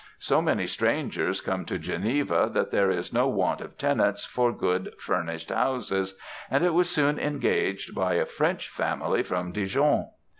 So many strangers come to Geneva, that there is no want of tenants for good furnished houses, and it was soon engaged by a French family from Dijon.